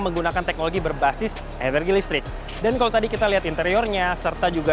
menggunakan teknologi berbasis energi listrik dan kalau tadi kita lihat interiornya serta juga